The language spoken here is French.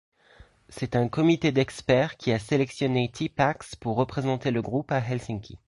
C'est un comité d'experts qui a sélectionné Teapacks pour représenter le groupe à Helsinki.